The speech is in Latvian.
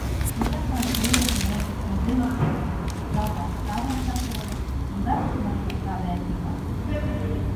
Visapkārt priežu meži un zilas debesis, zeltaina saule sasilda un gaiss smaržo kā bērnībā.